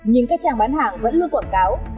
nhưng các trang bán hàng vẫn luôn quảng cáo